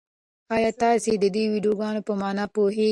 ایا تاسي د دې ویډیو په مانا پوهېږئ؟